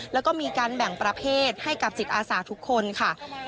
แล้วก็มีการแบ่งประเภทให้กับจิตอาสาทุกคนค่ะ